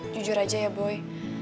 jujur aja ya boy